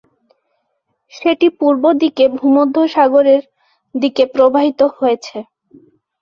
সেটি পূর্ব দিকে ভূমধ্যসাগর এর দিকে প্রবাহিত হয়েছে।